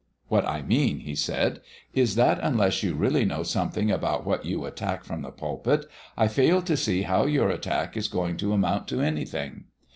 "What I mean," he said, "is that unless you really know something about what you attack from the pulpit, I fail to see how your attack is going to amount to anything.